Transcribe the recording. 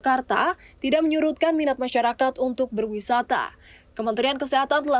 jakarta tidak menyurutkan minat masyarakat untuk berwisata kementerian kesehatan telah